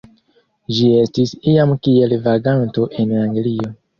Ĝi estis iam kiel vaganto en Anglio.